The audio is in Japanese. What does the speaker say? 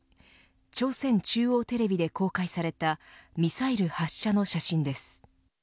朝鮮中央テレビで公開されたミサイル発射の写真です。